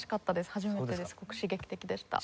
初めてですごく刺激的でした。